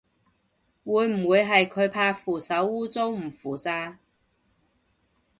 會唔會係佢怕扶手污糟唔扶咋